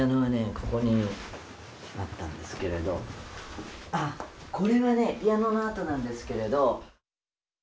ここにあったんですけれどああこれはねピアノの跡なんですけれど。